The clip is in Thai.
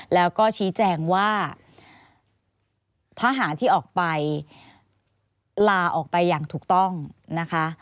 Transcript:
แล้วก็ชี้แจงว่าทหารที่ออกไปลาออกไปอย่างถูกต้องนะคะ